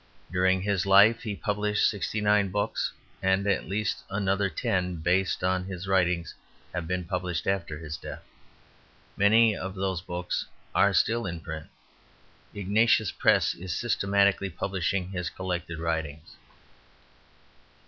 During his life he published 69 books and at least another ten based on his writings have been published after his death. Many of those books are still in print. Ignatius Press is systematically publishing his collected writings.